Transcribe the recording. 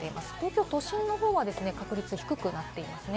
東京都心の方は確率低くなっていますね。